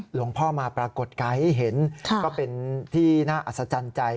หลวงพ่อมาปรากฏกายให้เห็นก็เป็นที่น่าอัศจรรย์ใจ